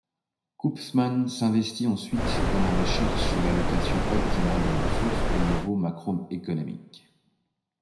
Koopmans s’investit ensuite dans la recherche sur l’allocation optimale des ressources au niveau macroéconomique.